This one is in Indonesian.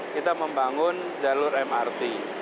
kita membangun jalur mrt